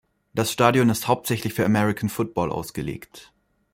Das Stadion ist hauptsächlich für American Football ausgelegt.